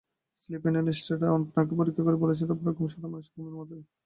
Slip অ্যানালিস্টরা আপনাকে পরীক্ষা করে বলেছেন-আপনার ঘুম সাধারণ মানুষের ঘুমের মতোই।